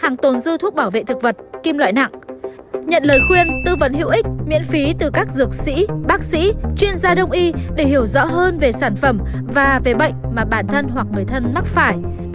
nhận lời khuyên tư vấn hữu ích miễn phí từ các dược sĩ bác sĩ chuyên gia đông y để hiểu rõ hơn về sản phẩm và về bệnh mà bạn thân hoặc người thân mắc phải